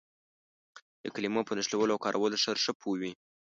د کلمو په نښلولو او کارولو ښه پوه وي.